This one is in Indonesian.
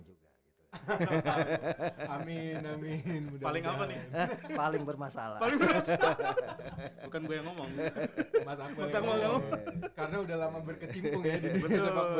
juga amin amin paling paling bermasalah bukan gue ngomong